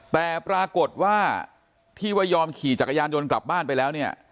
แต่ปรากฏว่าที่ว่ายอมขี่จักรยานยนต์กลับบ้านไปแล้วเนี่ย